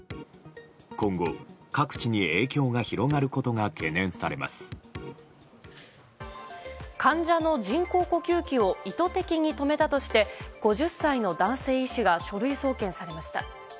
今後、各地に影響が広がることが患者の人工呼吸器を意図的に止めたとして５０歳の男性医師が書類送検されました。